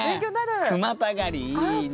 句またがりいいね。